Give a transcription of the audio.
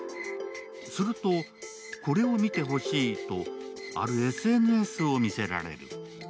すると、これを見てほしいと、あるＳＮＳを見せられる。